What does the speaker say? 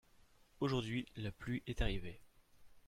Aujourd'hui, la pluie est arrivée